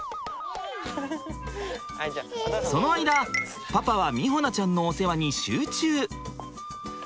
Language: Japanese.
その間パパは美穂菜ちゃんのお世話に集中。